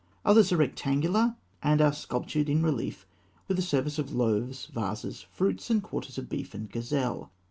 Others are rectangular, and are sculptured in relief with a service of loaves, vases, fruits, and quarters of beef and gazelle.